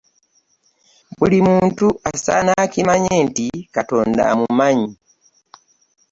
Buli muntu asaana akimanye nti Katonda amumanyi.